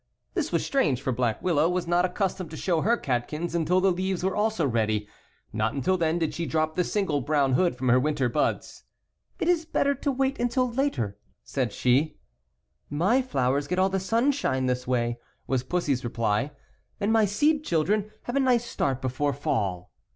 8 This was strange, for Black Willow was not ac customed to show her catkins until the leaves were also ready. Not until then did she drop the single brown hood from her winter buds (Fig. 2). "It's better to wait until later," she said. " My flowers get all the sunshine this way," was Pussy's reply, "and my seed children have a nice start before fall."